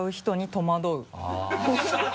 戸惑う。